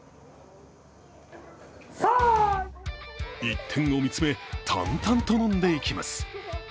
一点を見つめ淡々と飲んでいきます。